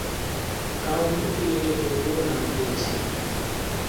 County ক্রিকেটে প্রচুর run তুলেছেন।